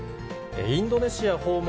インドネシア訪問